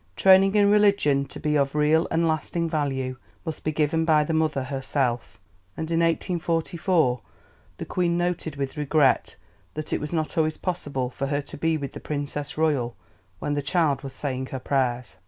Training in religion, to be of real and lasting value, must be given by the mother herself, and in 1844 the Queen noted with regret that it was not always possible for her to be with the Princess Royal when the child was saying her prayers.